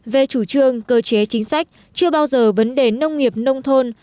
về chủ trương cơ chế chính sách chưa bao giờ vấn đề nông nghiệp nông thôn